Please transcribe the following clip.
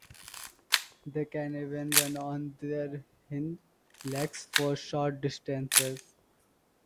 They can even run on their hind legs for short distances.